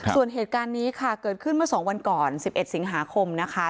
ส่วนเหตุการณ์นี้ค่ะเกิดขึ้นเมื่อ๒วันก่อน๑๑สิงหาคมนะคะ